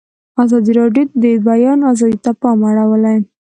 ازادي راډیو د د بیان آزادي ته پام اړولی.